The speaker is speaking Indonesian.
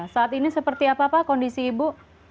saat ini seperti apa pak kondisi ibu